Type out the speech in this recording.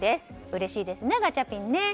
うれしいですね、ガチャピンね。